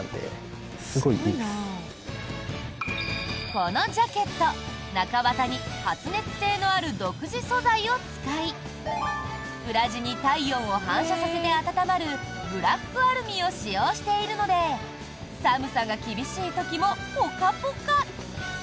このジャケット、中綿に発熱性のある独自素材を使い裏地に、体温を反射させて温まるブラックアルミを使用しているので寒さが厳しい時もポカポカ！